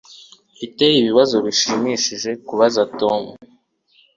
Mfite ibibazo bishimishije kubaza Tom